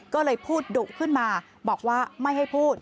ก็เลยพูดดุขึ้นมาบอกว่าไม่ให้พูด